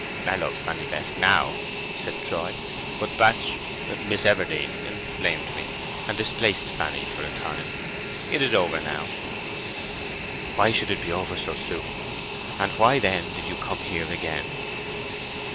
"I love Fanny best now," said Troy. "But Bathsh—Miss Everdene inflamed me, and displaced Fanny for a time. It is over now." "Why should it be over so soon? And why then did you come here again?"